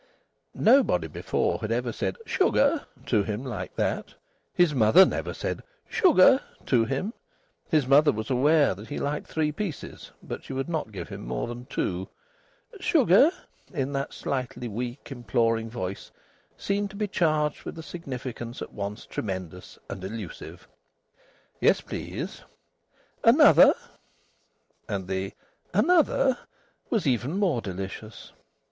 Nobody before had ever said "Sugar?" to him like that. His mother never said "Sugar?" to him. His mother was aware that he liked three pieces, but she would not give him more than two. "Sugar?" in that slightly weak, imploring voice seemed to be charged with a significance at once tremendous and elusive. "Yes, please." "Another?" And the "Another?" was even more delicious.